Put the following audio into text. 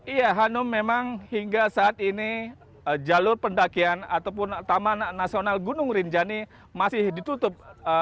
iya hanum memang hingga saat ini jalur pendakian ataupun taman nasional gunung rinjani masih ditutup